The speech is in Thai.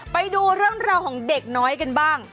ไปดูเรื่องราวของเด็กน้อยกันบ้าง